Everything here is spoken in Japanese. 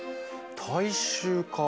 大衆化か。